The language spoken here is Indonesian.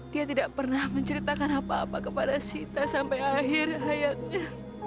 dia tidak pernah menceritakan apa apa kepada sita sampai akhir hayatnya